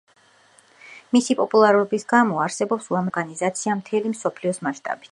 მისი პოპულარობის გამო არსებობს უამრავი ფეხით მოგზაურობის ორგანიზაცია მთელი მსოფლიოს მასშტაბით.